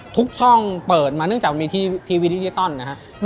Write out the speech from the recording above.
ทุกช่องเปิดมาเนื่องจากวันนี้ทีวีดิเจอตอนนะฮะ